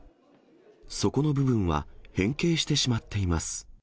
底の部分は変形してしまっています。